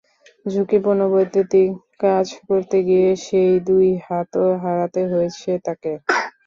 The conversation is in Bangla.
ঝুঁকিপূর্ণ বৈদ্যুতিক কাজ করতে গিয়ে সেই দুটি হাতও হারাতে হয়েছে তঁাকে।